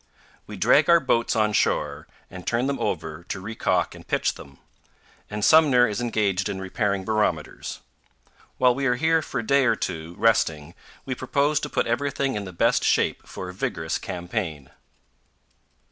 We drag our boats on shore and turn them over to recalk and pitch them, and Sumner is engaged in repairing barometers. While we are here for a day or two, resting, we propose to put everything in the best shape for a vigorous campaign.